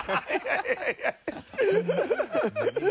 アハハハ！